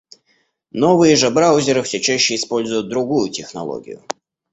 Новые же браузеры всё чаще используют другую технологию.